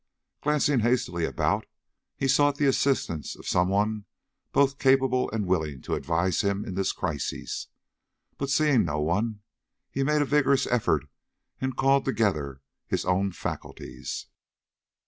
Glancing hastily about, he sought the assistance of some one both capable and willing to advise him in this crisis, but seeing no one, he made a vigorous effort and called together his own faculties.